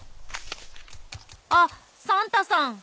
あっサンタさん！